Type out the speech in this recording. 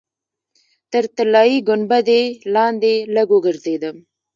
تر طلایي ګنبدې لاندې لږ وګرځېدم.